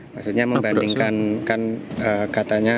maksudnya membandingkan kan katanya